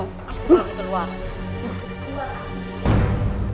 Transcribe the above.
masih kebanyakan keluar